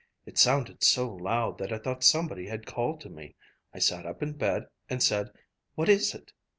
It sounded so loud that I thought somebody had called to me. I sat up in bed and said, 'What is it?'